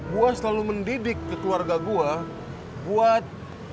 gue selalu mendidik ke keluarga gue buat